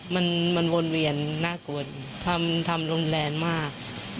มันวนเวียนน่ากลัวทำรุนแรงมาก